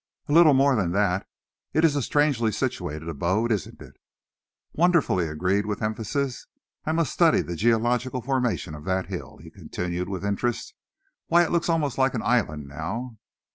"A little more than that. It is a strangely situated abode, isn't it?" "Wonderful!" he agreed, with emphasis. "I must study the geological formation of that hill," he continued, with interest. "Why, it looks almost like an island now."